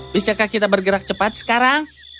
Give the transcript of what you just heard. bisakah kita bergerak cepat sekarang